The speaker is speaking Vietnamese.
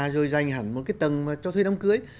rồi dành hẳn một cái tầng mà cho thuê đám cưới